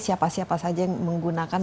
siapa siapa saja yang menggunakan